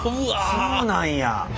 そうなんや。